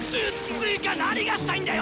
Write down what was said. つーか何がしたいんだよ